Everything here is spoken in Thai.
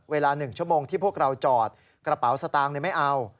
เวลา๑ชั่วโมงที่พวกเราจอดกระเป๋าสตางค์ไม่เอา